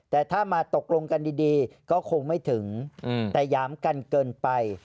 แต่ถ้ามาตกลงกันดีก็คงไม่ถึงแต่หยามกันเกินไป